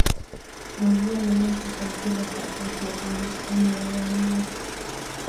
نازیه له ما څخه ډېره خفه شوه او ریشخند یې راباندې واهه.